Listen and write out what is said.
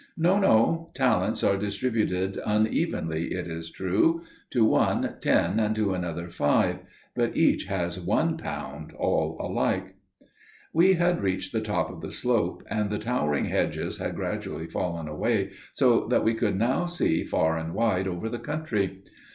No, no; talents are distributed unevenly, it is true: to one ten and to another five; but each has one pound, all alike." We had reached the top of the slope, and the towering hedges had gradually fallen away, so that we could now see far and wide over the country.